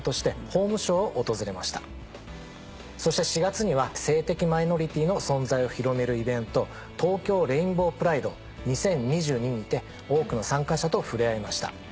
そして４月には性的マイノリティーの存在を広めるイベント「東京レインボープライド２０２２」にて多くの参加者と触れ合いました。